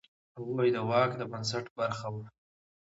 هغوی د واک د بنسټ برخه وه.